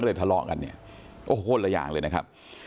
ทะเลาะกันเนี่ยโอ้โหคนละอย่างเลยนะครับ